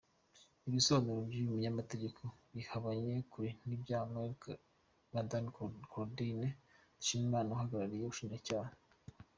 Ibisobanuro by’uyu munyamategeko bihabanye kure n’ibya Mme Claudine Dushimimana uhagarariye ubushinjacyaha.